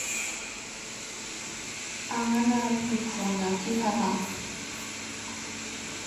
An ana duk vunna ki halaŋ.